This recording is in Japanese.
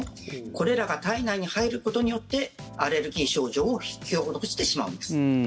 これらが体内に入ることによってアレルギー症状を引き起こしてしまうんです。